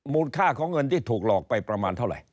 ค่าของเงินที่ถูกหลอกไปประมาณเท่าไหร่